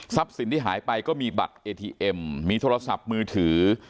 สินที่หายไปก็มีบัตรเอทีเอ็มมีโทรศัพท์มือถือ